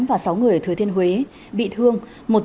và sáu người ở thừa thiên huế bị thương